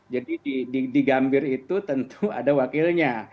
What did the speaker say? jadi di gambir itu tentu ada wakilnya